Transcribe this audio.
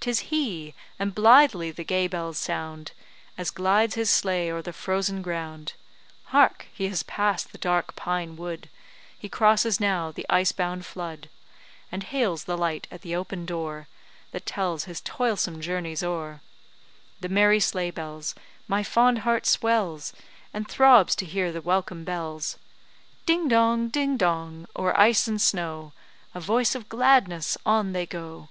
'Tis he, and blithely the gay bells sound, As glides his sleigh o'er the frozen ground; Hark! he has pass'd the dark pine wood, He crosses now the ice bound flood, And hails the light at the open door That tells his toilsome journey's o'er. The merry sleigh bells! My fond heart swells And throbs to hear the welcome bells; Ding dong, ding dong, o'er ice and snow, A voice of gladness, on they go.